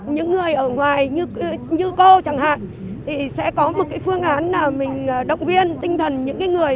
những người ở ngoài như cô chẳng hạn thì sẽ có một cái phương án nào mình động viên tinh thần những người